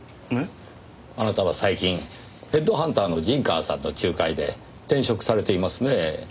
あなたは最近ヘッドハンターの陣川さんの仲介で転職されていますねぇ。